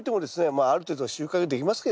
まあある程度は収穫できますけどね。